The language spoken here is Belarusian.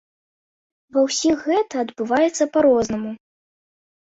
Ва ўсіх гэта адбываецца па-рознаму.